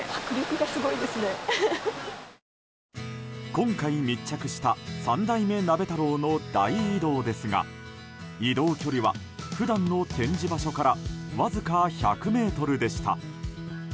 今回、密着した３代目鍋太郎の大移動ですが移動距離は普段の展示場所からわずか１００ｍでした。